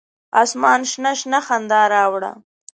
اسمان شنه، شنه خندا راوړه